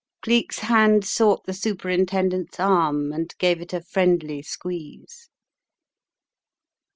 Cleek's hand sought the Superintendent's arm and gave it a friendly squeeze.